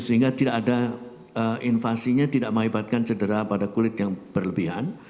sehingga invasinya tidak mengibatkan cedera pada kulit yang berlebihan